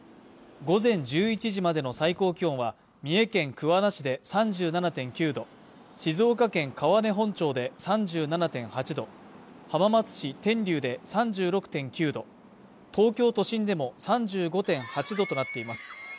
午前１１時までの最高気温は三重県桑名市で３７．９度静岡県川根本町で３７．８度浜松市天竜で３６．９度東京都心でも３５．８度となっています